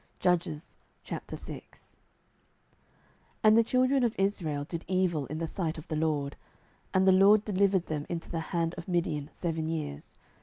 07:006:001 And the children of Israel did evil in the sight of the LORD: and the LORD delivered them into the hand of Midian seven years.